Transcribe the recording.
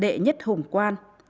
đệ nhất hùng quan